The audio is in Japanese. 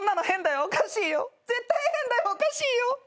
絶対変だよおかしいよ！